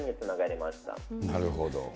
なるほど。